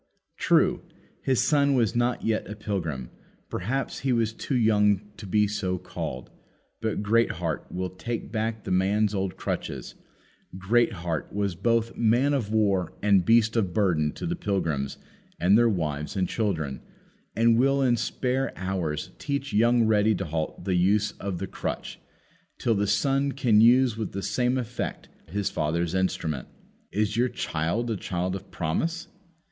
True, his son was not yet a pilgrim; perhaps he was too young to be so called; but Greatheart will take back the old man's crutches Greatheart was both man of war and beast of burden to the pilgrims and their wives and children and will in spare hours teach young Ready to halt the use of the crutch, till the son can use with the same effect as his father his father's instrument. Is your child a child of promise?